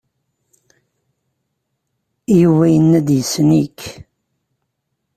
Yuba yenna-d yessen-ik.